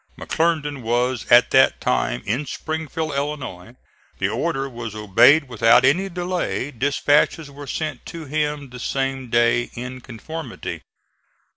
McClernand was at that time in Springfield, Illinois. The order was obeyed without any delay. Dispatches were sent to him the same day in conformity.